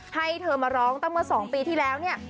ให้เธอมาร้องตั้งเมื่อ๒ปีที่แล้วเนี่ย